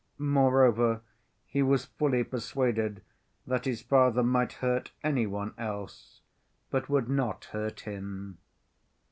Moreover, he was fully persuaded that his father might hurt any one else, but would not hurt him.